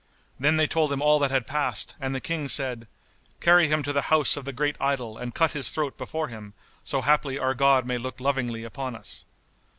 Then they told him all that had passed and the King said, "Carry him to the house of the Great Idol and cut his throat before him, so haply our god may look lovingly upon us."